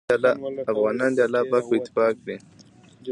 افغانان دې الله پاک په اتفاق کړي